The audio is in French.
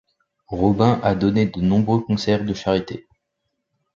Robin a donné de nombreux concerts de charité.